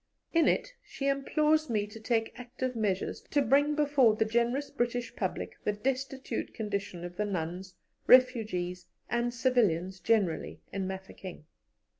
In it she implores me to take active measures to bring before the generous British public the destitute condition of the nuns, refugees, and civilians generally, in Mafeking.